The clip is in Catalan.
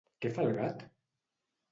Què fa el gat?